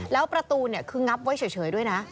แล้วประตูคืองับไว้เฉยด้วยนะ